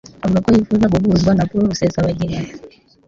avuga ko yifuza guhuzwa na Paul Rusesabagina